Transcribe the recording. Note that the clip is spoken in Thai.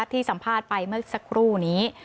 ที่สัมภาษณ์ไปเมื่อสักครู่นี้